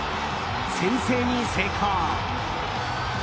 先制に成功。